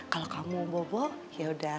kalau kamu bobo yaudah